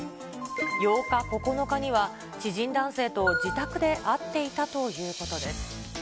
８日、９日には知人男性と自宅で会っていたということです。